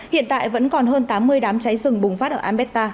hiện tại vẫn còn hơn tám mươi đám cháy rừng bùng phát ở ambeta